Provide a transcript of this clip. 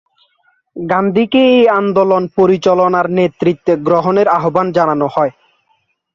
গান্ধীকে এ আন্দোলন পরিচালনার নেতৃত্ব গ্রহণের আহবান জানানো হয়।